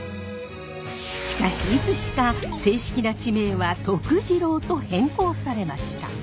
しかしいつしか正式な地名は「Ｔｏｋｕｊｉｒｏ」と変更されました。